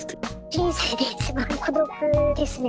人生で一番孤独ですね。